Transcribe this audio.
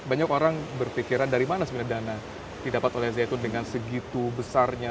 banyak orang berpikiran dari mana sebenarnya dana didapat oleh azayitun dengan segitu besarnya